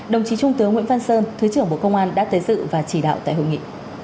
đồng chí trung tướng nguyễn văn sơn thứ trưởng bộ công an đã tới dự và chỉ đạo tại hội nghị